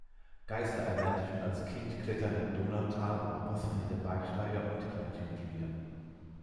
Geißler erlernte schon als Kind Klettern im Donautal, war passionierter Bergsteiger und Gleitschirmflieger.